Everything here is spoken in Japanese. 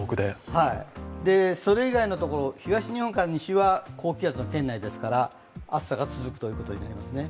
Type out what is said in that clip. それ以外のところ、東日本から西は高気圧の圏内ですから暑さが続くということになりますね。